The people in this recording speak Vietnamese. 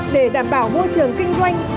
để đảm bảo môi trường kinh doanh